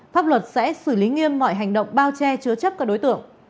pháp luật sẽ xử lý nghiêm mọi hành động bao che chứa chấp các đối tượng